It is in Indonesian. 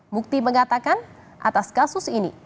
mukti mengatakan atas kasus ini